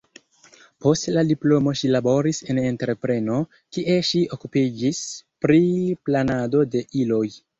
Post la diplomo ŝi laboris en entrepreno, kie ŝi okupiĝis pri planado de iloj.